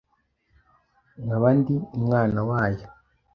nkaba ndi umwana wayo